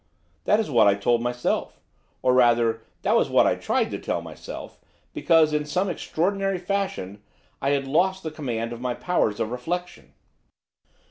'That is what I told myself, or, rather, that was what I tried to tell myself; because, in some extraordinary fashion, I had lost the command of my powers of reflection.